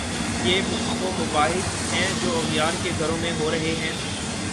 یہ وہ مباحث ہیں جو اغیار کے گھروں میں ہو رہے ہیں؟